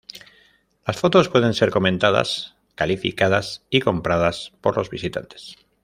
Las fotos pueden ser comentadas, calificadas, y compradas por los visitantes.